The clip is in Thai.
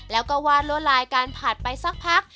แล้วก็วาดลวดลายการผัดไปสักพัก